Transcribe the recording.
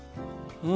うん。